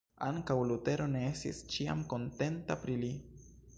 Ankaŭ Lutero ne estis ĉiam kontenta pri li.